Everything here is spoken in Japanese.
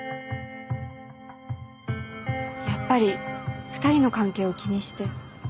やっぱり２人の関係を気にして。